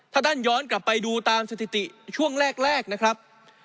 ถ้าท่านย้อนกลับไปดูตามสถิติช่วงแรกนะครับ